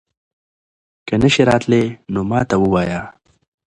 که نه شې راتلی نو ما ته ووايه